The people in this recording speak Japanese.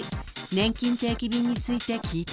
［ねんきん定期便について聞いてみると］